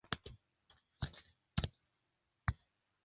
ธีระ สุธีวรางกูร